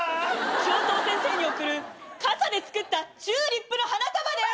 教頭先生に送る傘で作ったチューリップの花束です。